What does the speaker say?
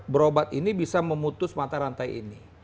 berobat ini bisa memutus mata rantai ini